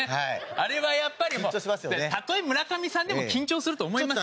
あれはやっぱりもうたとえ村上さんでも緊張すると思いますよ。